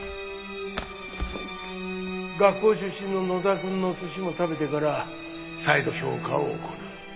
学校出身の野田くんの寿司も食べてから再度評価を行う。